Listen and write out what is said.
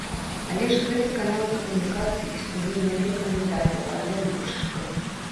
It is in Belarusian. Але ж гэты канал камунікацыі існуе не для кандыдатаў, а для выбаршчыкаў.